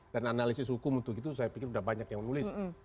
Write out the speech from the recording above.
dan analisis hukum untuk itu saya pikir sudah banyak yang menulis